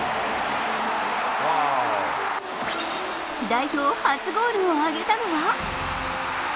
代表初ゴールを挙げたのは。